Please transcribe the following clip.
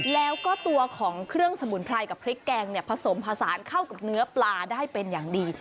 แล้วก็ตัวของเครื่องสมุนไพรกับพริกแกงเนี่ยผสมผสานเข้ากับเนื้อปลาได้เป็นอย่างดี